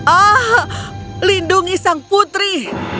ah lindungi sang putri